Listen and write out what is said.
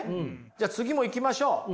じゃあ次もいきましょう。